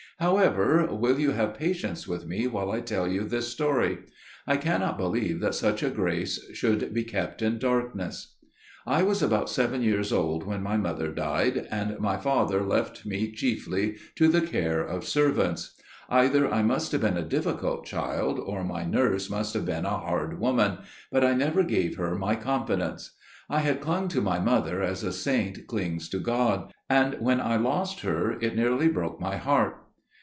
However, will you have patience with me while I tell you this story? I cannot believe that such a grace should be kept in darkness. "I was about seven years old when my mother died, and my father left me chiefly to the care of servants. Either I must have been a difficult child, or my nurse must have been a hard woman: but I never gave her my confidence. I had clung to my mother as a saint clings to God: and when I lost her, it nearly broke my heart.